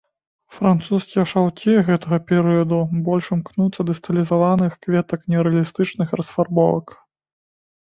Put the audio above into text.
Французскія шаўкі гэтага перыяду больш імкнуцца да стылізаваных кветак нерэалістычных расфарбовак.